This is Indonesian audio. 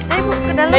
ayo ke dalam